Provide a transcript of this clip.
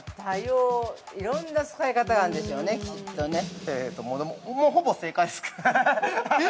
◆いろんな使い方があるんでしょうね、きっとね。